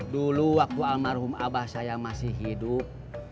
dulu waktu almarhum abah saya masih hidup